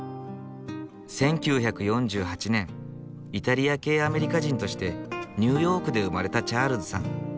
イタリア系アメリカ人としてニューヨークで生まれたチャールズさん。